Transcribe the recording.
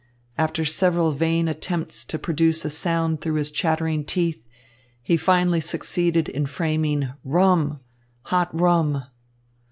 After several vain attempts to produce a sound through his chattering teeth, he finally succeeded in framing "Rum! Hot rum!"